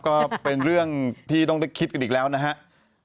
ก็เป็นเรื่องที่ต้องได้คิดกันอีกแล้วนะครับ